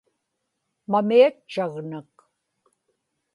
mamiatchagnak